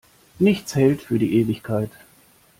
Nichts hält für die Ewigkeit.